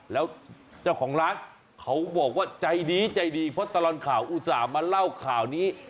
แล้วเจ้าของร้านเขาบอกว่าใจดีใจดีเพราะตลอดข่าวอุตส่าห์มาเล่าข่าวนี้